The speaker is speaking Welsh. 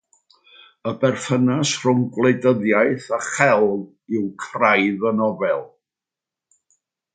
Y berthynas rhwng gwleidyddiaeth a chelf yw craidd y nofel.